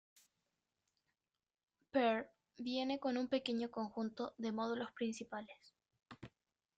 Perl viene con un pequeño conjunto de módulos principales.